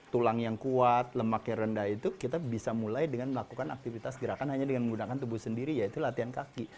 tulang yang kuat lemaknya rendah itu kita bisa mulai dengan melakukan aktivitas gerakan hanya dengan menggunakan tubuh sendiri yaitu latihan kaki